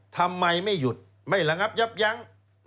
ทำไมไม่หยุดไม่ระงับยับยั้ง